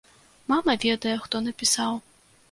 Мама ведае, хто напісаў.